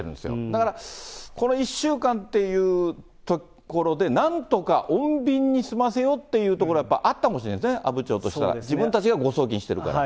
だから、この１週間っていうところで、なんとか穏便に済ませようというところ、あったかもしれないですね、阿武町としたら、自分たちが誤送金してるから。